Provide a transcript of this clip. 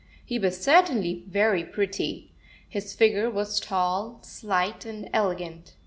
He was certainly very pretty. His figure was tall, slight, and elegant.